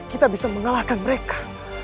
kita bisa mengalahkan mereka